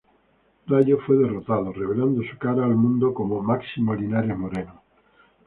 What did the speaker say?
Rayo fue derrotado, revelando su cara al mundo como Máximo Linares Moreno.